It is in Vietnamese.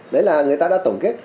đấy là người ta đã tổng kết